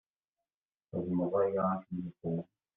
Txedmeḍ aya akken yeqwem.